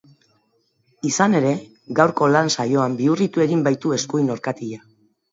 Izan ere, gaurko lan saion bihurritu egin baitu eskuin orkatila.